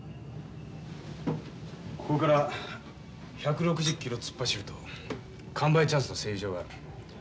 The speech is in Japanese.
ここから１６０キロ突っ走るとカンバイチャンスの製油所がある。